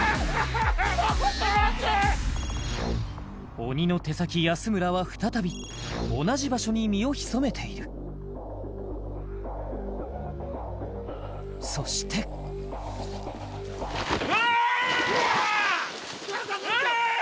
鬼の手先・安村は再び同じ場所に身を潜めているそしてうわーっ！